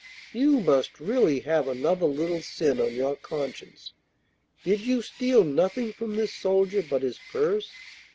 'You must really have another little sin on your conscience. Did you steal nothing from this soldier but his purse?